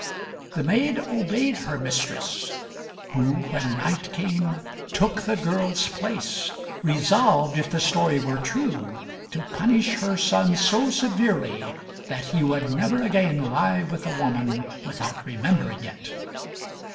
The maid obeyed her mistress, who, when night came, took the girl's place, resolved, if the story were true, to punish her son so severely that he would never again lie with a woman without remembering it.